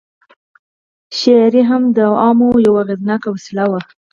شاعري هم د عوامو یوه اغېزناکه وسله وه.